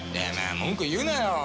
文句言うなよ。